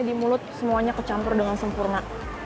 di mulut semuanya kecampur dengan sempurna